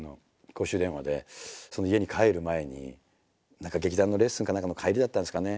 公衆電話で家に帰る前に何か劇団のレッスンか何かの帰りだったんですかね